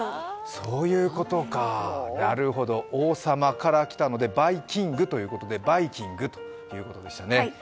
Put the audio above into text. そういうことか、なるほど、王様からきたということでｂｙキングということでバイキングでしたね。